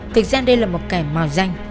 thực ra đây là một cảnh màu danh